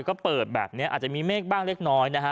ก็เปิดแบบนี้อาจจะมีเมฆบ้างเล็กน้อยนะฮะ